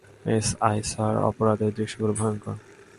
SI sir, অপরাধের দৃশ্যগুলো ভয়ংকর।